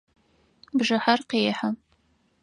Бжыхьэр къехьэ.